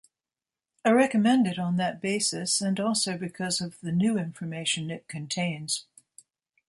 I recommend it on that basis--and also because of the new information it contains.